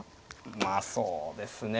まあそうですね。